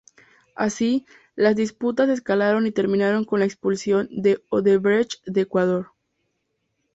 Así, las disputas escalaron y terminaron con la expulsión de Odebrecht de Ecuador.